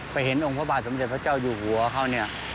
เห็นองค์พระบาทสมเด็จพระเจ้าอยู่หัวเขาเนี่ย